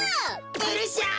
うるしゃい！